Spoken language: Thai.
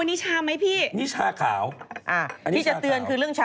งั้นมาดูเรื่อง